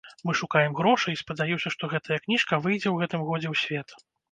Мы шукаем грошы, і спадзяюся, што гэтая кніжка выйдзе у гэтым годзе у свет.